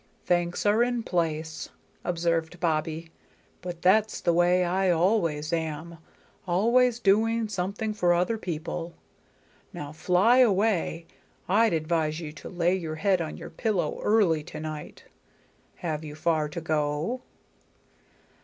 "Thanks are in place," observed Bobbie. "But that's the way I always am always doing something for other people. Now fly away. I'd advise you to lay your head on your pillow early to night. Have you far to go?"